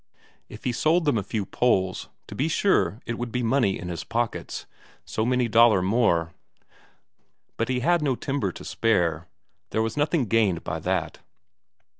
If he sold them a few poles, to be sure it would be money in his pockets, so many Daler more; but he had no timber to spare, there was nothing gained by that.